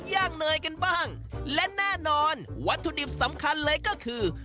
ย่างเนยกันบ้างและแน่นอนวัตถุดิบสำคัญเลยก็คือ